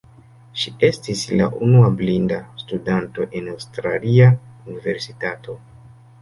Ŝi estis la unua blinda studanto en Aŭstralia universitato.